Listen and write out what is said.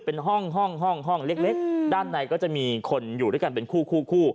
เป็นห้องห้องเล็กด้านในก็จะมีคนอยู่ด้วยกันเป็นคู่คู่